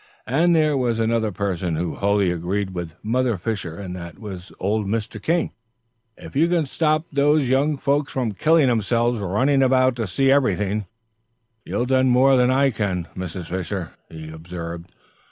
And there was another person who wholly agreed with Mother Fisher, and that was old Mr. King. "If you can stop those young folks from killing themselves running about to see everything, you'll do more than I can, Mrs. Fisher," he observed.